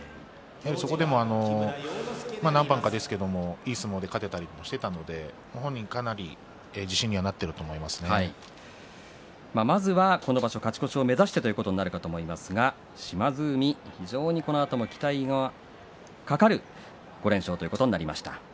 そこで何番かいい相撲で勝てたりしていたので本人かなり自信にはなってるとまずは、この場所勝ち越しを目指してということになると思いますが島津海非常にこのあと期待がかかる５連勝ということになりました。